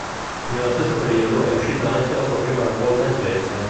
Nello stesso periodo è uscita anche la sua prima raccolta in Svezia.